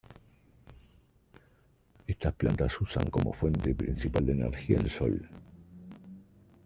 Estas plantas usan como fuente principal de energía el Sol.